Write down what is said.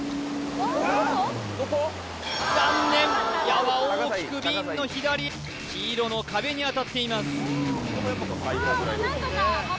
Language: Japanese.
残念矢は大きく瓶の左黄色の壁に当たっています